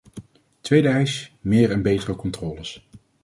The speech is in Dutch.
Tweede eis: meer en betere controles.